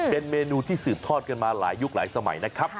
เป็นเมนูที่สืบทอดกันมาหลายยุคหลายสมัยนะครับ